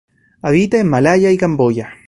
Habita en Malaya y Camboya.